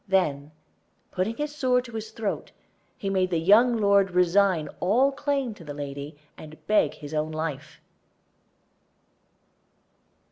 Then putting his sword to his throat, he made the young lord resign all claim to the lady, and beg his own life.